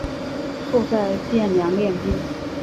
后在汴梁练兵。